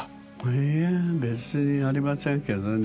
いいえ別にありませんけどね。